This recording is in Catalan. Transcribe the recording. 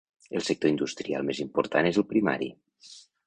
El sector industrial més important és el primari.